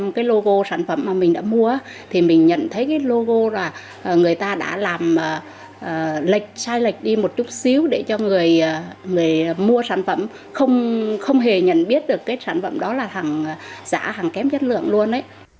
một cái logo sản phẩm mà mình đã mua thì mình nhận thấy cái logo là người ta đã làm lệch sai lệch đi một chút xíu để cho người mua sản phẩm không hề nhận biết được cái sản phẩm đó là hàng giả hàng kém chất lượng luôn